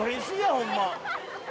ホンマ。